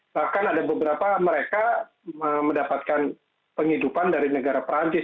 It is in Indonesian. bahkan ada beberapa mereka mendapatkan penghidupan dari negara perancis